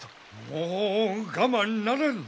もう我慢ならぬ！